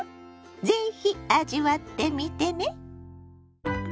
是非味わってみてね。